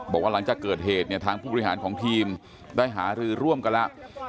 บอกว่าหลังจากเกิดเหตุเนี่ยทางผู้บริหารของทีมได้หารือร่วมกันแล้ว